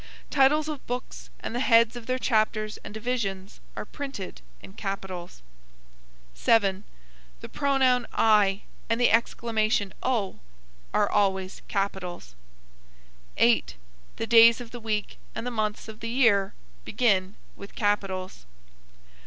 Titles of books and the heads of their chapters and divisions are printed in capitals. 7. The pronoun I, and the exclamation O, are always capitals. 8. The days of the week, and the months of the year, begin with capitals.